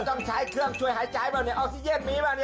ต้องใช้เครื่องช่วยหายใจเปล่าเอาซีเย็ดมีบ่าเนี่ย